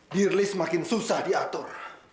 dirli semakin susah diatur